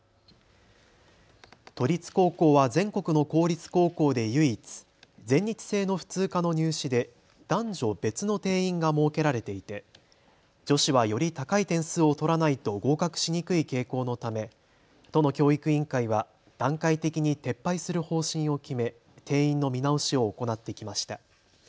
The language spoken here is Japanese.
都立高校は全国の公立高校で唯一、全日制の普通科の入試で男女別の定員が設けられていて女子はより高い点数を取らないと合格しにくい傾向のため都の教育委員会は段階的に撤廃する方針を決め定員の見直しを行ってきました。